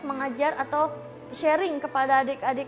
mengajar atau sharing kepada adik adik